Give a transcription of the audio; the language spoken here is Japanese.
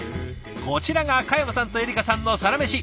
こちらが嘉山さんとエリカさんのサラメシ。